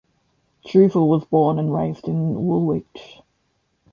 Duvall was born and raised in Woolwich.